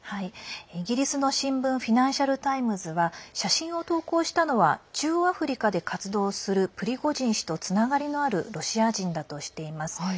イギリスの新聞フィナンシャル・タイムズは写真を投稿したのは中央アフリカで活動するプリゴジン氏とつながるのあるロシア人だとしています。